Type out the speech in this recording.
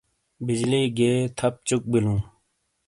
بجلی گیئے تھپ چُک بِیلوں۔